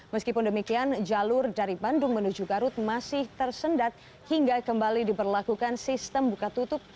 meskipun demikian jalur dari bandung menuju garut masih tersendat hingga kembali diberlakukan sistem buka tutup